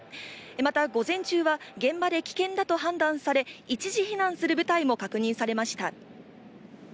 また午前中は現場で危険だと判断され一時避難する部隊も確認されました。